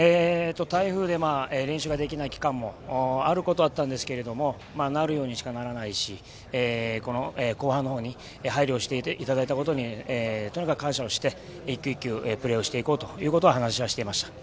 台風で練習ができない期間もあることはあったんですけどもなるようにしかならないしこの後半の方に入るよう配慮していただいたことにとにかく感謝をして１球１球プレーをしていこうと話はしていました。